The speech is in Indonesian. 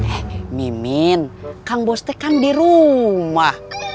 eh mimin kang boste kan di rumah